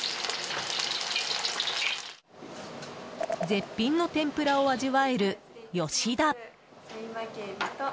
絶品の天ぷらを味わえるよし田。